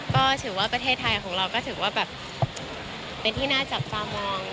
ก็ถือว่าประเทศไทยของเราก็ถือว่าแบบเป็นที่น่าจับตามอง